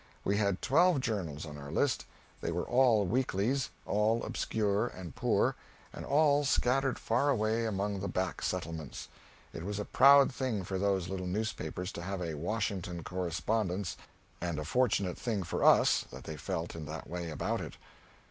We had twelve journals on our list; they were all weeklies, all obscure and poor, and all scattered far away among the back settlements. It was a proud thing for those little newspapers to have a Washington correspondence, and a fortunate thing for us that they felt in that way about it.